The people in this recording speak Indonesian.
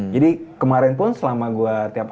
jadi kemarin pun selama gue tiap hari